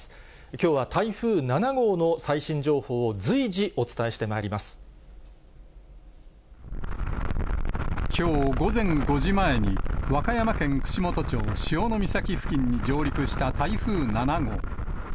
きょうは台風７号の最新情報を随時、きょう午前５時前に、和歌山県串本町潮岬付近に上陸した台風７号。